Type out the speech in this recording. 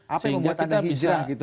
apa yang membuat anda hijrah gitu